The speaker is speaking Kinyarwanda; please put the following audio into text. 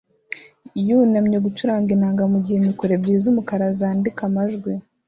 yunamye gucuranga inanga mu gihe mikoro ebyiri z'umukara zandika amajwi